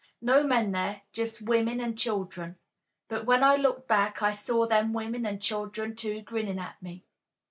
No men there, just women an' children, but when I looked back I saw them women an' children, too, grinnin' at me.